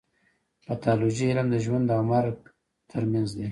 د پیتالوژي علم د ژوند او مرګ ترمنځ دی.